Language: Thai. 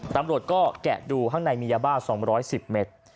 ตำรวจก็แกะดูข้างในมียาบ้า๒๑๐เมตร